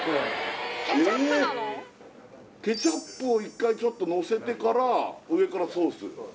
ケチャップを一回ちょっとのせてから上からソース？